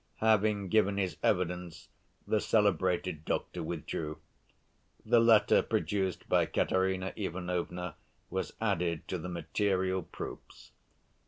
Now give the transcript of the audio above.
Having given his evidence, the celebrated doctor withdrew. The letter produced by Katerina Ivanovna was added to the material proofs.